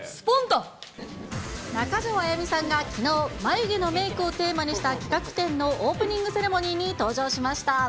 中条あやみさんがきのう、眉毛のメークをテーマにした企画展のオープニングセレモニーに登場しました。